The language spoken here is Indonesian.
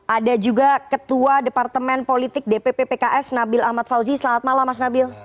ada juga ketua departemen politik dpp pks nabil ahmad fauzi selamat malam mas nabil